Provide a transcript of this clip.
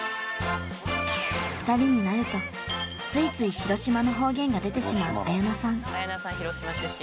２人になるとついつい広島の方言が出てしまう綾菜さん